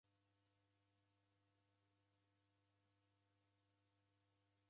W'ai wa daw'ida ni vipulupulu